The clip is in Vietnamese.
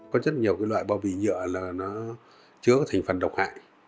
có rất nhiều loại bảo vệ nhựa là nó chứa thành phần độc hại